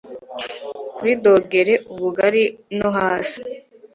Kuri dogere ubugari no hasi